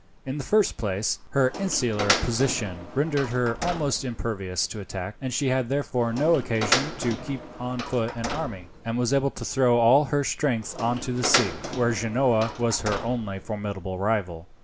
In the first place, her insular position rendered her almost impervious to attack, and she had therefore no occasion to keep on foot any army, and was able to throw all her strength on to the sea, where Genoa was her only formidable rival.